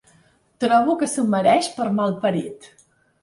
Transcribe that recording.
Trobo que s'ho mereix per malparit.